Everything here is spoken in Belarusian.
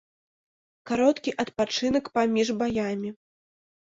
Кароткі адпачынак паміж баямі.